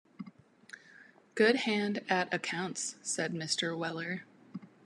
‘Good hand at accounts,’ said Mr. Weller.